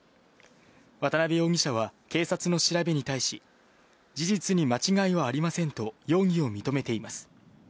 渡辺容疑者は、警察の調べに対し、事実に間違いはありませんと、容疑を認めています。